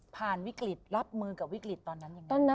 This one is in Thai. วิกฤตรับมือกับวิกฤตตอนนั้นยังไง